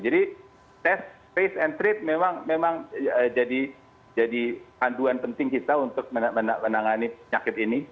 jadi tes face and treat memang jadi panduan penting kita untuk menangani penyakit ini